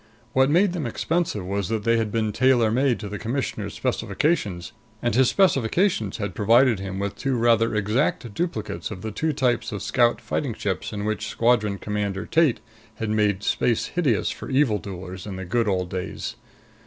What made them expensive was that they had been tailor made to the Commissioner's specifications, and his specifications had provided him with two rather exact duplicates of the two types of Scout fighting ships in which Squadron Commander Tate had made space hideous for evildoers in the good old days.